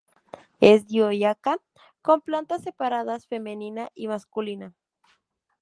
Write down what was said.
Es dioica, con plantas separadas, femenina y masculina.